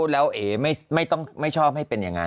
แล้วเอ๋ไม่ชอบให้เป็นอย่างนั้น